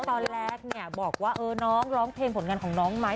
ตอนแรกเนี่ยบอกว่าน้องร้องเพลงผลงานของน้องไหม